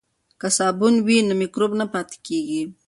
که صابون وي نو مکروب نه پاتې کیږي.